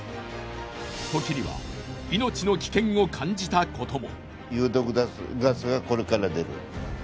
時には命の危険を感じたことも。